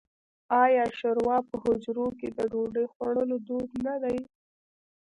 آیا شوروا په حجرو کې د ډوډۍ خوړلو دود نه دی؟